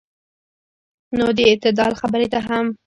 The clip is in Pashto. نو د اعتدال خبرې ته هم